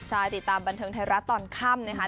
ใช่ติดตามบันเทิงไทยรัฐตอนค่ำนะคะ